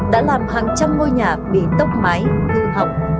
đã làm hàng trăm ngôi nhà bị tốc máy thư hỏng